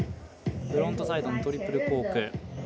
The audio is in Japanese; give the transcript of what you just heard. フロントサイドのトリプルコーク。